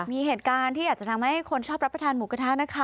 มีเหตุการณ์ที่อาจจะทำให้คนชอบรับประทานหมูกระทะนะคะ